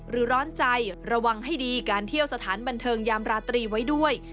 ร้อนใจระวังให้ดีการเที่ยวสถานบันเทิงยามราตรีไว้ด้วย